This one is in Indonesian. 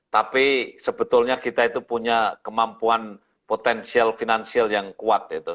tapi sebetulnya kita itu punya kemampuan potensial finansial yang kuat